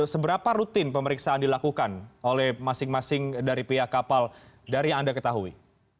seberapa rutin pemeriksaan dilakukan oleh masing masing dari pihak kapal dari yang anda ketahui